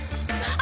あ。